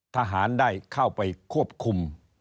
ทหารได้เข้าไปควบคุม